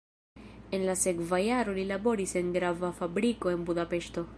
En la sekva jaro li laboris en grava fabriko en Budapeŝto.